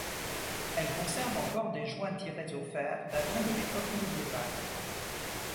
Elle conserve encore des joints tirés au fer datant de l'époque médiévale.